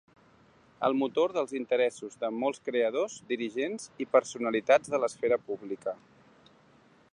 El motor dels interessos de molts creadors, dirigents i personalitats de l'esfera pública.